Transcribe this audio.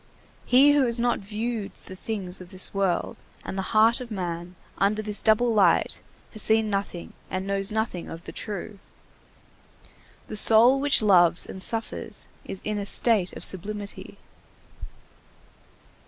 He who has not viewed the things of this world and the heart of man under this double light has seen nothing and knows nothing of the true. The soul which loves and suffers is in a state of sublimity.